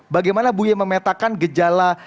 bagaimana buya memetakan gejala